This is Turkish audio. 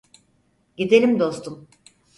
Gidelim dostum.